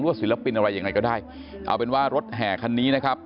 ศิลปินอะไรยังไงก็ได้เอาเป็นว่ารถแห่คันนี้นะครับ